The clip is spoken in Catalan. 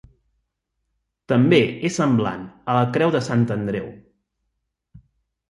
També és semblant a la creu de Sant Andreu.